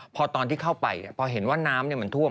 พอตอนที่เข้าไปพอเห็นว่าน้ำมันท่วม